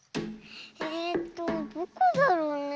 えっとどこだろうねえ。